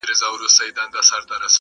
سلماني ویل خبره دي منمه -